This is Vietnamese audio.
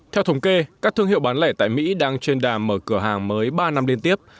theo thống kê các thương hiệu bán lẻ tại mỹ đang trên đàm mở cửa hàng mới ba năm liên tiếp